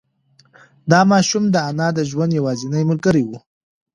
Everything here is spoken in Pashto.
دا ماشوم د انا د ژوند یوازینۍ ملګری و.